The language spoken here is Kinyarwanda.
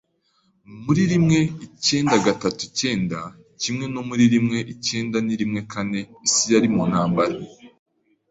Mu rimweicyendagatatuicyenda, kimwe no mu rimweicyendarimwekane, isi yari mu ntambara.